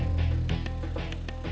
ketenteraan dan ke werek tintin agar abstrak